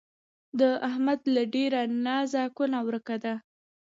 د احمد له ډېره نازه کونه ورکه ده